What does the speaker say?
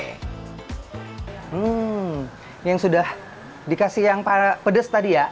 hmm ini yang sudah dikasih yang pedes tadi ya